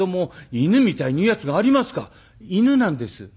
「犬なんです」。